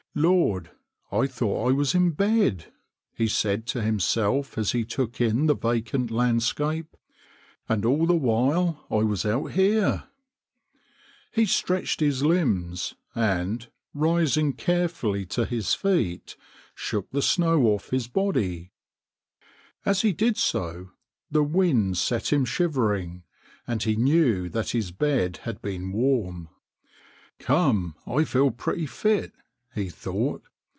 " Lord ! I thought I was in bed," he said to himself as he took in the vacant landscape, "and all the while I was out here." He stretched his limbs, and, rising carefully to his feet, shook the snow off his body. As he did so the wind set him shivering, and he knew that his bed had been warm. " Come, I feel pretty fit," he thought.